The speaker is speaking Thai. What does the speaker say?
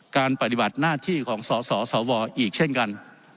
การปฏิบัติหน้าที่ของส่อส่อส่อซออีกเช่นกัน